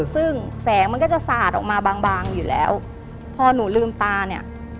ซึ่งแสงมันก็จะสาดออกมาบางบางอยู่แล้วพอหนูลืมตาเนี่ย